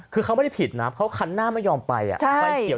คือแม่นี่เห็นบอกว่ามีไม่สบายด้วย